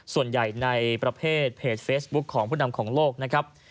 ส่วนใหญ่ในประเภทเพจเฟซบุ๊คของผู้นำของโลกนะครับ